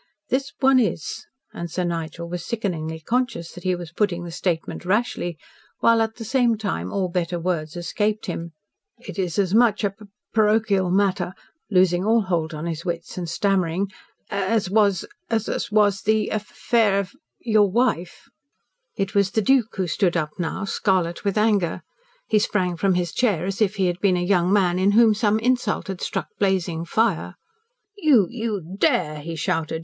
"This one is." And Sir Nigel was sickeningly conscious that he was putting the statement rashly, while at the same time all better words escaped him. "It is as much a parochial matter," losing all hold on his wits and stammering, "as was as was the affair of your wife." It was the Duke who stood up now, scarlet with anger. He sprang from his chair as if he had been a young man in whom some insult had struck blazing fire. "You you dare!" he shouted.